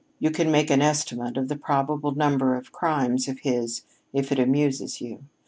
You can make an estimate of the probable number of crimes of his if it amuses you.